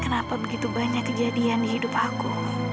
kenapa begitu banyak kejadian di hidup aku